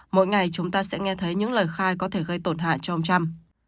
mỗi ngày chúng ta sẽ nghe thấy những lời khai có thể gây tổn hại cho ông trump